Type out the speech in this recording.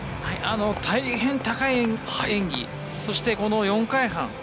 大変高い演技そしてこの４回半。